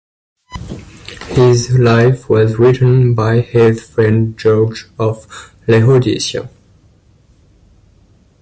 His life was written by his friend George of Laodicea.